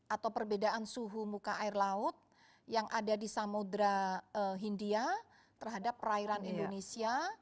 atau perbedaan suhu muka air laut yang ada di samudera hindia terhadap perairan indonesia